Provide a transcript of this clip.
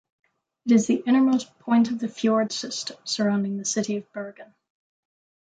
It is the innermost point of the fjord system surrounding the city of Bergen.